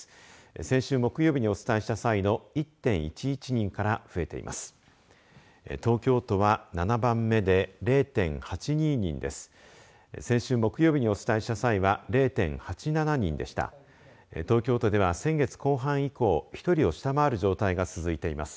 先週木曜日にお伝えした際の１．１１人から増えています。